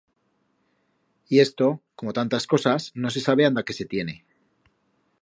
Y esto, como tantas cosas, no se sabe anda que se tiene.